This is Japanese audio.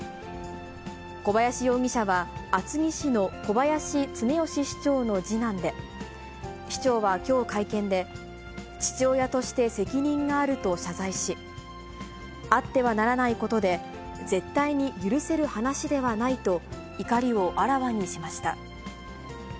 小林容疑者は、厚木市の小林常良市長の次男で、市長はきょう会見で、父親として責任があると謝罪し、あってはならないことで、絶対に許せる話ではないと、怒りをあらわにしました。